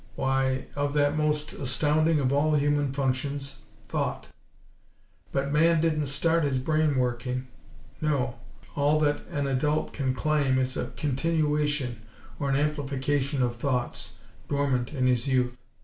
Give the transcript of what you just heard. Why, of that most astounding of all human functions; thought. But man didn't start his brain working. No. All that an adult can claim is a continuation, or an amplification of thoughts, dormant in his youth.